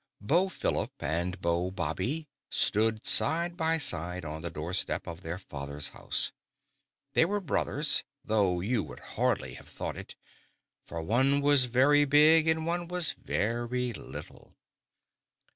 BEAU PHILIP and Beau Bobby stood side by side on the doorstep of their father's house. They were brothers, though you would hardly have thought it, for one was very big and one was very little.